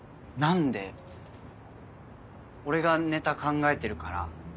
俺がネタ考えてるから？